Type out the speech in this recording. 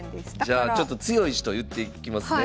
じゃあちょっと強い人言っていきますね。